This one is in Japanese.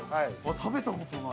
食べたことない。